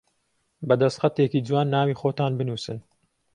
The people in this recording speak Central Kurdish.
بە دەستخەتێکی جوان ناوی خۆتان بنووسن